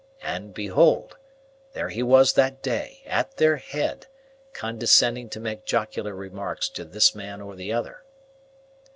And behold! there he was that day, at their head, condescending to make jocular remarks to this man or the other.